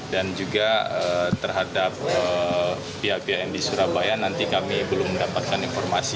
dan juga terhadap pihak pihak yang di surabaya nanti kami belum mendapatkan informasi